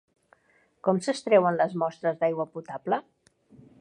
Com s'extreuen les mostres d'aigua potable?